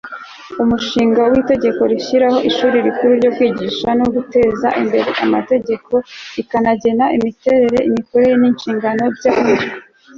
umushinga w'itegeko rishyiraho ishuri rikuru ryo kwigisha no guteza imbere amategeko rikanagena imiterere, imikorere n'inshingano byaryo